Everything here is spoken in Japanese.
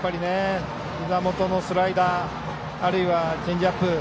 ひざ元のスライダーあるいはチェンジアップ。